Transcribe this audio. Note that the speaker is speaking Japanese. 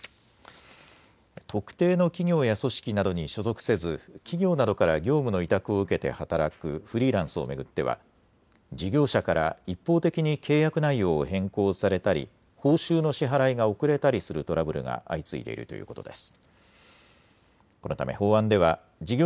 特定の企業や組織などに所属せず企業などから業務の委託を受けて働くフリーランスを巡っては事業者から一方的に契約内容を変更されたり報酬の支払いが遅れたりするトラブルが相次いでいるということです。